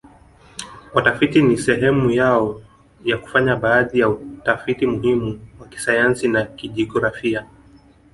watafiti ni sehemu yao ya kufanya baadhi ya tafiti muhimu wa kisayansi na kijografia